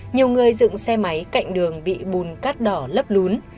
nhiều người dựng xe máy cạnh đường bị bùn cát đỏ lấp lún